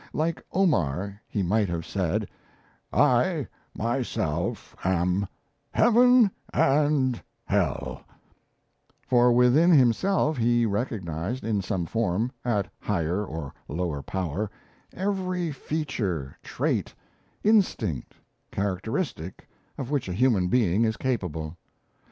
Like Omar he might have said "I myself am Heaven and Hell" for within himself he recognized, in some form, at higher or lower power, every feature, trait, instinct, characteristic of which a human being is capable.